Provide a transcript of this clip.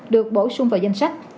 được bổ sung vào danh sách